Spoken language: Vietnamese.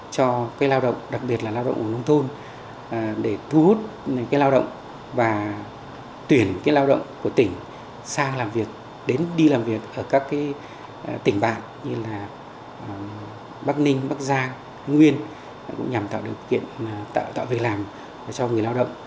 cho lao động đặc biệt là lao động ở nông thôn để thu hút lao động và tuyển lao động của tỉnh sang làm việc đến đi làm việc ở các tỉnh bạn như là bắc ninh bắc giang nguyên cũng nhằm tạo điều kiện tạo việc làm cho người lao động